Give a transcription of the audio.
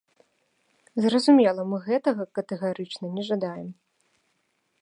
Зразумела, мы гэтага катэгарычна не жадаем.